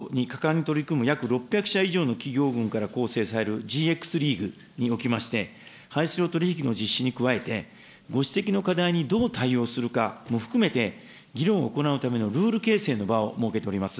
このため経産省では、脱炭素に果敢に取り組む約６００社以上の企業群から構成されるＧＸリーグにおきまして、排出量取引の実施に加えて、ご指摘の課題にどう対応するかも含めて、議論を行うためのルール形成の場を設けております。